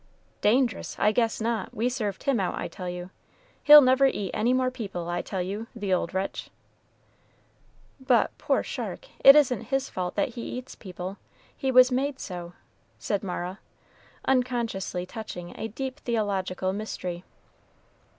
"Dangerous! I guess not. We served him out, I tell you. He'll never eat any more people, I tell you, the old wretch!" "But, poor shark, it isn't his fault that he eats people. He was made so," said Mara, unconsciously touching a deep theological mystery.